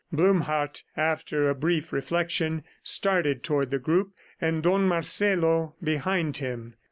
Blumhardt, after a brief reflection, started toward the group and Don Marcelo behind him.